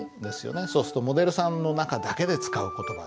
そうするとモデルさんの中だけで使う言葉ってあります？